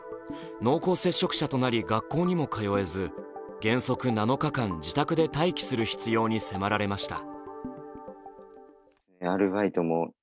濃厚接触者となり学校にも通えず原則７日間自宅で待機する必要に迫られました。